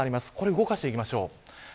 動かしていきましょう。